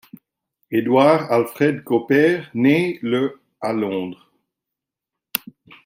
Edward-Alfred Cowper naît le à Londres.